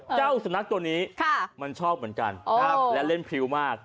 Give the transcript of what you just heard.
เจ้าสุนัขตัวนี้มันชอบเหมือนกันและเล่นพริวมาก